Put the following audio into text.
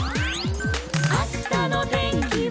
「あしたのてんきは」